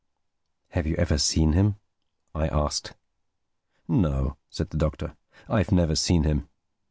"Have you ever seen him?" I asked. "No," said the Doctor, "I've never seen him.